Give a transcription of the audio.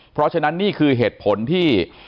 เพราะฉะนั้นนี่คือเหตุผลที่